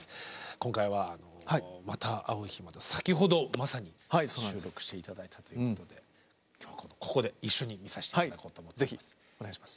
今回は「また逢う日まで」を先ほどまさに収録して頂いたということで今日はここで一緒に見させて頂こうと思います。